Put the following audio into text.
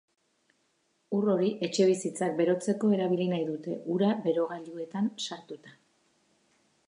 Ur hori etxebizitzak berotzeko erabili nahi dute, ura berogailuetan sartuta.